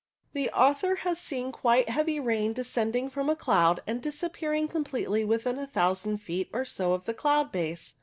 The author has often seen quite heavy rain descending from a cloud, and disappearing completely within a thousand feet or so of the cloud base.